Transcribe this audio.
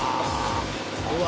うわ！